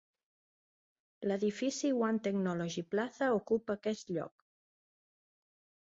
L'edifici One Technology Plaza ocupa aquest lloc.